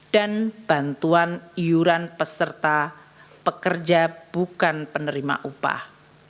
dan bantuan iuran peserta pekerja bukan penerima upah